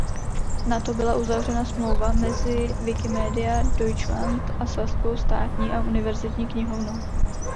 Nato byla uzavřena smlouva mezi Wikimedia Deutschland a Saskou státní a univerzitní knihovnou.